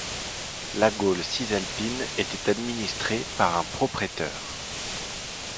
La Gaule cisalpine était administrée par un propréteur.